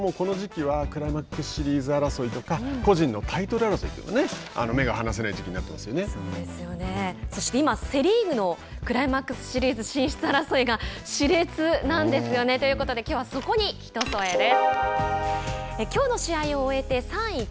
通常ですとこの時期はクライマックスシリーズ争いとか個人のタイトル争いというのが目が離せない時期にそして、今セ・リーグのクライマックスシリーズ進出争いが熾烈なんですよね。ということできょうは、そこに「ひとそえ」です。